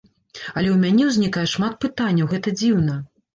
Але ў мяне ўзнікае шмат пытанняў, гэта дзіўна.